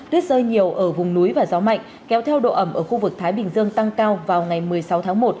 tuyết rơi nhiều ở vùng núi và gió mạnh kéo theo độ ẩm ở khu vực thái bình dương tăng cao vào ngày một mươi sáu tháng một